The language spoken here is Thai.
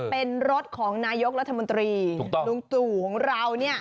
เป็นรถของนายกรัฐมนตรีลุงตู่ของเราเนี่ย